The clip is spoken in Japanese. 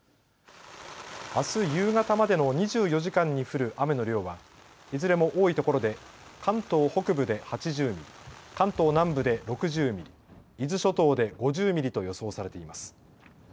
あす夕方までの２４時間に降る雨の量はいずれも多いところで関東北部で８０ミリ、関東南部で６０ミリ、伊豆諸島で５０ミリと予想されています。